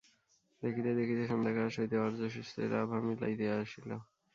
দেখিতে দেখিতে সন্ধ্যাকাশ হইতে অস্তসূর্যের আভা মিলাইয়া আসিল।